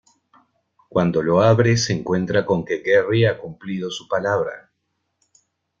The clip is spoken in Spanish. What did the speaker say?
Cuando lo abre se encuentra con que Gerry ha cumplido su palabra.